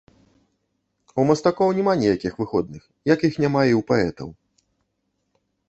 У мастакоў няма ніякіх выходных, як іх няма і ў паэтаў.